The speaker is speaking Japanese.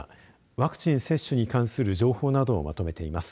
ワクチン接種に関する情報などをまとめています。